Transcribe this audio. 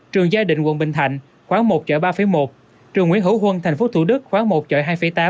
trường gia đình quận bình thạnh khoảng một chọi ba một trường nguyễn hữu huân tp thủ đức khoảng một chọi hai tám